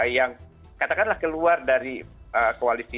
yang katakanlah keluar dari koalisi